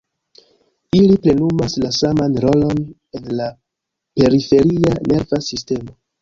Ili plenumas la saman rolon en la periferia nerva sistemo.